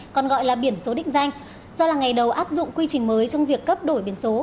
còn gọi là biển số định danh do là ngày đầu áp dụng quy trình mới trong việc cấp đổi biển số